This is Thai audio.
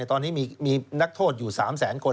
ตอนนี้มีนักโทษอยู่๓แสนคน